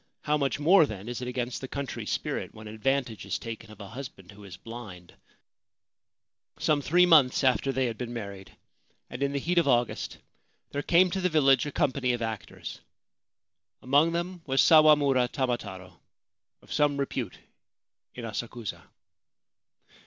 How much more, then, is it against the country's spirit when advantage is taken of a husband who is blind ? Some three months after they had been married, and in the heat of August, there came to the village a company of actors. Among them was Sawamura Tamataro, of some repute in Asakusa.